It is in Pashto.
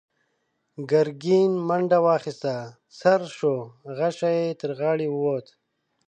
ګرګين منډه واخيسته، څررر شو، غشۍ يې تر غاړې ووت.